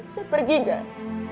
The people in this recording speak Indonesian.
saya pergi gak